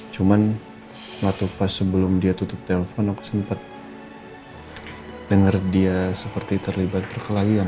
cuman waktu pas sebelum dia tutup telpon aku sempat dengar dia seperti terlibat perkelahian